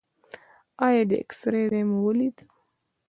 ایا د اکسرې ځای مو ولید؟